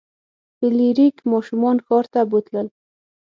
فلیریک ماشومان ښار ته بوتلل.